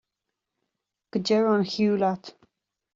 Go deireadh an chiú leat!